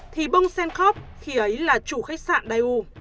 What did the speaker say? thì bông sen khóc khi ấy là chủ khách sạn dai u